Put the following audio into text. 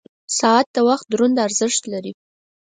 • ساعت د وخت دروند ارزښت لري.